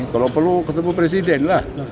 kalau perlu ketemu presiden lah